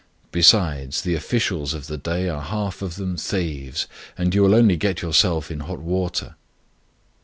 Be sides, the officials of the day are half of them thieves, and you will only get yourself into hot water."